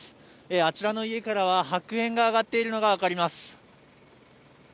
あちらの家からは、白煙が上がっているのが分かります。